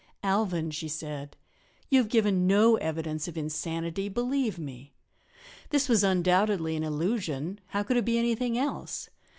"Alvan," she said, "you have given no evidence of insanity, believe me. This was undoubtedly an illusion how should it be anything else?